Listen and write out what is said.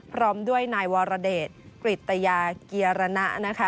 พร้อมด้วยนายวรเดชกริตยาเกียรณะนะคะ